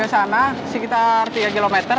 sana sekitar tiga km